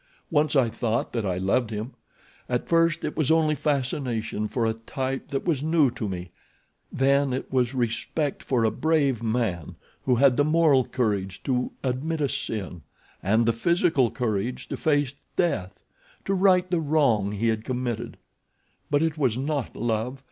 Once I thought that I loved him. At first it was only fascination for a type that was new to me—then it was respect for a brave man who had the moral courage to admit a sin and the physical courage to face death to right the wrong he had committed. But it was not love.